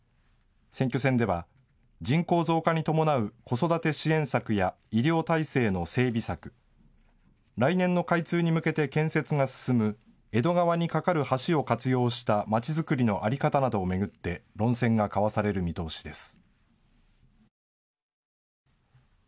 選挙戦では人口増加に伴う子育て支援策や医療体制の整備策、来年の開通に向けて建設が進む江戸川に架かる橋を活用したまちづくりの在り方などを巡って論戦が交わされる見通しです。